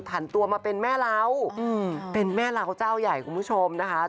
ผ่านตัวมาเป็นแม่เราเป็นแม่เราเจ้าใหญ่คุณผู้ชมนะคะ